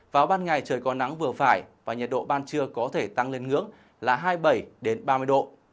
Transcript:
vào ban ngày trời có nắng vừa phải và nhiệt độ ban trưa có thể tăng lên ngưỡng là hai mươi bảy ba mươi độ